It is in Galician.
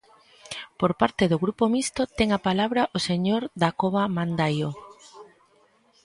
Por parte do Grupo Mixto ten a palabra o señor Dacova Mandaio.